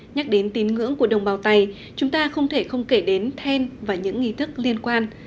nhắc đến tín ngưỡng của đồng bào tày chúng ta không thể không kể đến then và những nghi thức liên quan